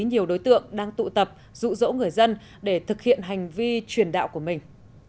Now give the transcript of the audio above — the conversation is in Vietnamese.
nhiều đối tượng đang tụ tập dụ dỗ người dân để thực hiện hành vi truyền đạo của mình